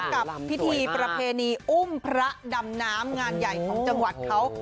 กับพิธีประเพณีอุ้มพระดำน้ำงานใหญ่ของจังหวัดเขา